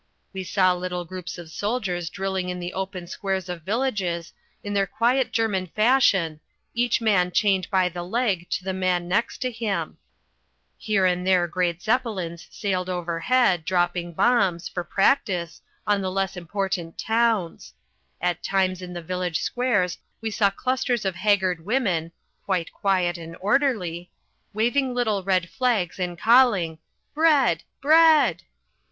We saw little groups of soldiers drilling in the open squares of villages in their quiet German fashion each man chained by the leg to the man next to him; here and there great Zeppelins sailed overhead dropping bombs, for practice, on the less important towns; at times in the village squares we saw clusters of haggard women (quite quiet and orderly) waving little red flags and calling: "Bread, bread!"